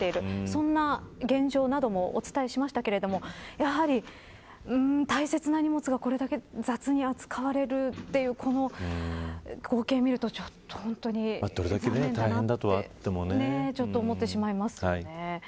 そんな現状などもお伝えしましたけど、やはり大切な荷物がこれだけ雑に扱われるというこの光景を見ると残念だなと思ってしまいますね。